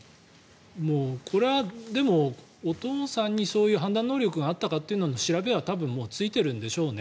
これは、でもお父さんにそういう判断能力があったのかという調べは多分ついているんでしょうね。